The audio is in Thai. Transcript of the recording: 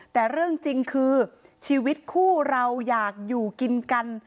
แต่เรื่องจริงคือชีวิตคู่เราอยากอยู่กินกัน